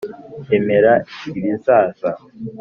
emera ibizaza